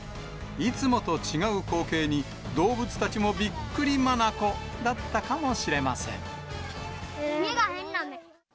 いつもと違う光景に、動物たちもびっくりまなこだったかもしれません。